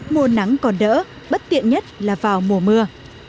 mùa nắng còn đỡ bất tiện nhất là vào mùa mưa